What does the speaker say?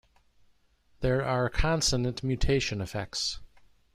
There are consonant mutation effects.